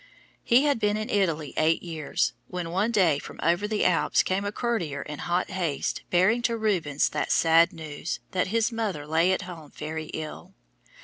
He had been in Italy eight years, when one day from over the Alps came a courier in hot haste bearing to Rubens the sad news that his mother lay at home very ill.